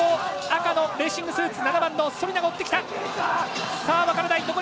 赤のレーシングスーツの７番のソリナが追ってきた！